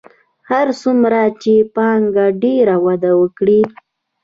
هر څومره چې پانګه ډېره وده وکړي